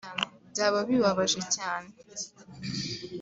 byaba bibabaje cyane